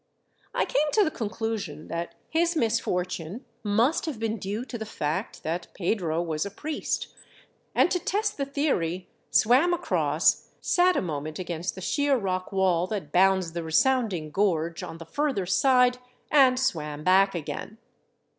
I came to the conclusion that his misfor tune must have been due to the fart that Pedro was a priest, and to test the theory, swam across, sat a moment against the sheer rock wall that bounds the resounding gorge on the further side, and swam back again.